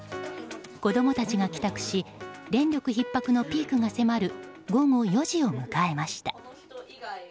子供たちが帰宅し電力ひっ迫のピークが迫る午後４時を迎えました。